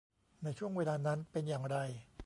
ในช่วงเวลานั้นเป็นอย่างไร